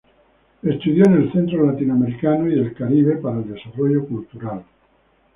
Estudió en el Centro Latinoamericano y del Caribe para el Desarrollo Cultural.